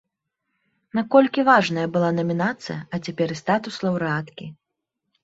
Наколькі важная была намінацыя, а цяпер і статус лаўрэаткі?